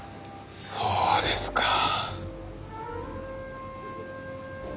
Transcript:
そうですか。